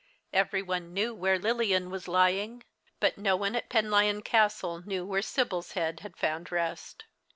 Every one knew where Lilian was lying ; but no one at Penlyon Castle knew where Sibyl's head had found rest.